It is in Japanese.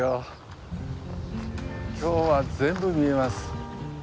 今日は全部見えます。